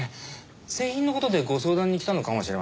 製品の事でご相談に来たのかもしれません。